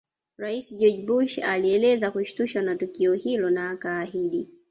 Rais George Bush alieleza kushtushwa na tukio hilo na akaahidi